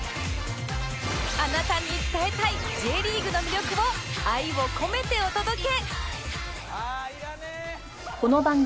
あなたに伝えたい Ｊ リーグの魅力を愛を込めてお届け！